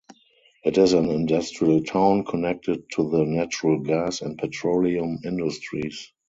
It is an industrial town, connected to the natural gas and petroleum industries.